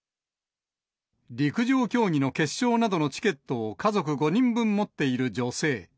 陸上競技の決勝などのチケットを家族５人分持っている女性。